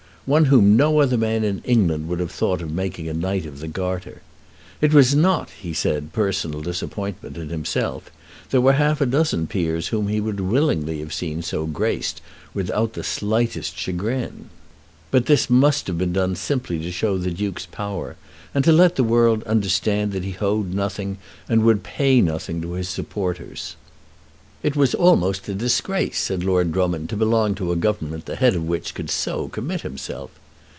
One whom no other man in England would have thought of making a Knight of the Garter! It was not, he said, personal disappointment in himself. There were half a dozen peers whom he would willingly have seen so graced without the slightest chagrin. But this must have been done simply to show the Duke's power, and to let the world understand that he owed nothing and would pay nothing to his supporters. It was almost a disgrace, said Lord Drummond, to belong to a Government the Head of which could so commit himself!